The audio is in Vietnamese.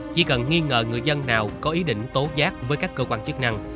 chỉ cần nghi ngờ người dân nào có ý định tố giác với các cơ quan chức năng